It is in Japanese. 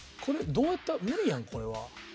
これどうやって無理やんこれは。